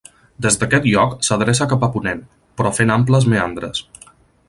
Des d'aquest lloc s'adreça cap a ponent, però fent amples meandres.